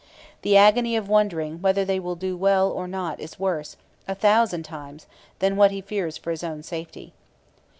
The agony of wondering whether they will do well or not is worse, a thousand times, than what he fears for his own safety.